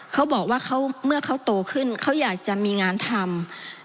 เขาบอกว่าเมื่อเขาโตขึ้นเขาอยากจะมีงานทำ